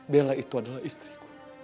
bella itu adalah istriku